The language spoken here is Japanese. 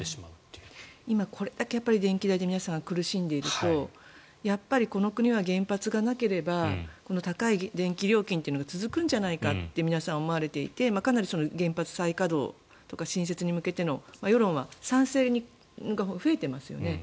今、これだけ電気代で皆さん苦しんでいるとやっぱりこの国は原発がなければ高い電気料金というのが続くんじゃないかと思われていて原発再稼働とか新設に向けての世論は賛成が増えていますよね。